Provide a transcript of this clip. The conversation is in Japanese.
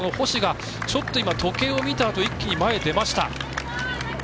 星がちょっと時計を見たあと、一気に前に出ました。